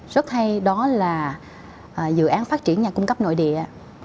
rất hay đó là dự án phát triển nhà cung cấp nội địa